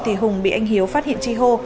thì hùng bị anh hiếu phát hiện tri hô